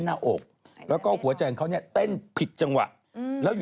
นั่นจะเป็นใบเตย